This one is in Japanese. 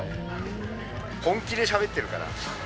本気でしゃべってるから。